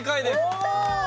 やった！